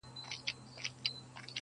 چې د حمزه په شعر کې